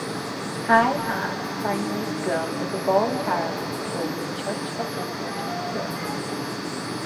High Ham Primary School is a voluntarily controlled Church of England school.